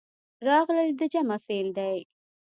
راغلل د جمع فعل دی.